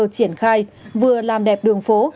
triển khai vừa làm đẹp đường phố